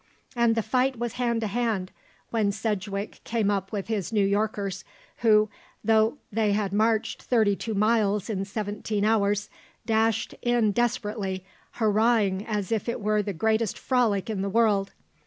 And the fight was hand to hand when Sedgwick came up with his New Yorkers, who, though they had marched thirty two miles in seventeen hours, dashed in desperately, hurrahing as if it were the greatest frolic in the world.